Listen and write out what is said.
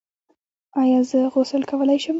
ایا زه غسل کولی شم؟